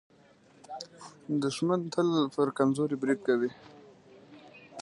دښمن تل پر کمزوري برید کوي